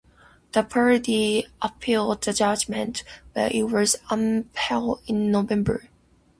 The party appealed the judgement but it was upheld in November.